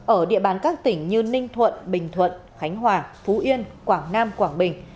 ở địa bàn các tỉnh như ninh thuận bình thuận khánh hòa phú yên quảng nam quảng bình